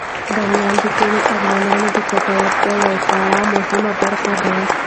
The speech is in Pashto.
بامیان د ټولو افغانانو د ګټورتیا یوه خورا مهمه برخه ده.